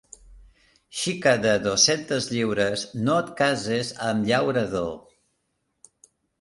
Xica de dos-centes lliures, no et cases amb llaurador.